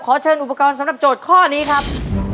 เชิญอุปกรณ์สำหรับโจทย์ข้อนี้ครับ